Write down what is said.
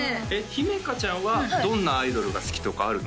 姫華ちゃんはどんなアイドルが好きとかあるの？